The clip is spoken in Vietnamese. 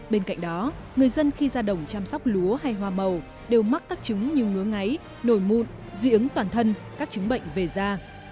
bên cạnh đó người dân khi ra đồng chăm sóc lúa hay hoa màu đều mắc các trứng như ngứa ngáy nổi mụn dị ứng toàn thân các chứng bệnh về da